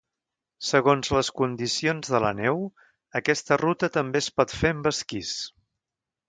Segons les condicions de la neu, aquesta ruta també es pot fer amb esquís.